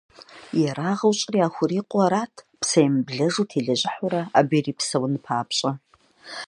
ЕрагъкӀэ щӏыр яхурикъуу арат, псэемыблэжу телэжьыхьурэ абы ирипсэун папщӀэ.